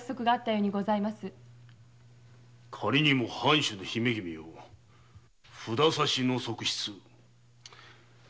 かりにも藩主の姫君を札差しの側室？